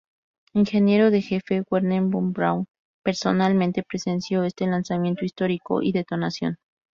Ingeniero de jefe Wernher von Braun personalmente presenció este lanzamiento histórico y detonación.